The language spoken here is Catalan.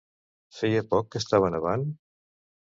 Feia poc que estava nevant?